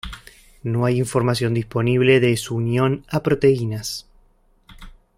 No hay información disponible de su unión a proteínas.